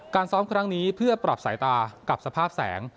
ซ้อมครั้งนี้เพื่อปรับสายตากับสภาพแสง